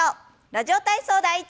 「ラジオ体操第１」。